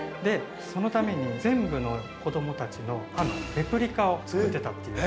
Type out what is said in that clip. ◆そのために、全部の子供たちの歯のレプリカを作っていたという。